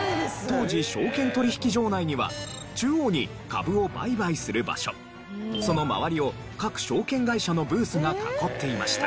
当時証券取引所内には中央に株を売買する場所その周りを各証券会社のブースが囲っていました。